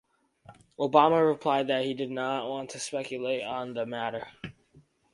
Obama replied that he did not want to "speculate" on the matter.